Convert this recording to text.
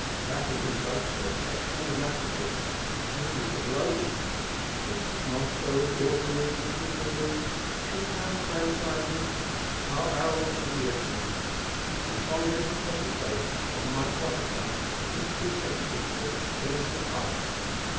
Battles and bloodshed, September Massacres, Bridges of Lodi, retreats of Moscow, Waterloos, Peterloos, Tenpound Franchises, Tarbarrels and Guillotines;—and from this present date, if one might prophesy, some two centuries of it still to fight!